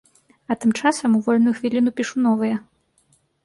А тым часам у вольную хвіліну пішу новыя.